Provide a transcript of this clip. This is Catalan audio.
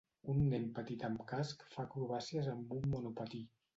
Un nen petit amb casc fa acrobàcies amb un monopatí.